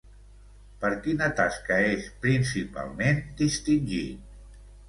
Per quina tasca és, principalment, distingit?